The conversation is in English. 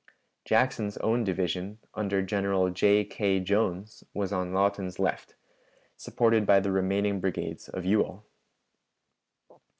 Jackson's own division, under General J. K. Jones, was on Lawton's left, supported by the remaining brigades of Ewell.